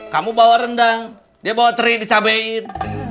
kamu bawa rendang dia bawa teri dicabein